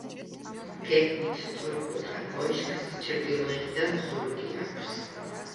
გეგმით სწორკუთხა კოშკს, ჩრდილოეთიდან ზურგი აქვს.